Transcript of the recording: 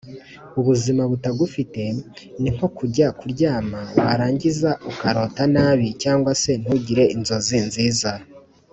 ubuzima butagufite ni nko kujya kuryama warangiza ukarota nabi cyangwa se ntugire inzozi nziza